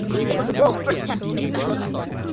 It was the world's first attempt to make special effects.